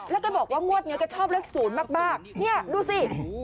แล้วก็บอกว่างวดนี้แกชอบเลข๐มากเนี่ยดูสิ